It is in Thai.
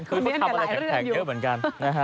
คือเขาทำอะไรแข็งเยอะเหมือนกันนะฮะ